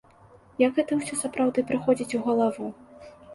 Як гэта ўсё сапраўды прыходзіць у галаву?